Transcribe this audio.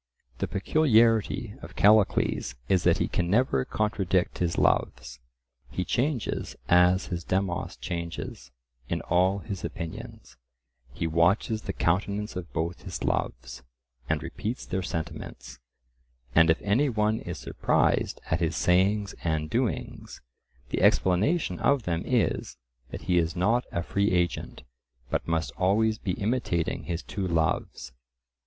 The peculiarity of Callicles is that he can never contradict his loves; he changes as his Demos changes in all his opinions; he watches the countenance of both his loves, and repeats their sentiments, and if any one is surprised at his sayings and doings, the explanation of them is, that he is not a free agent, but must always be imitating his two loves.